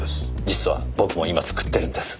実は僕も今作ってるんです。